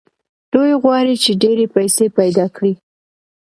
دوی غواړي چې ډېرې پيسې پيدا کړي.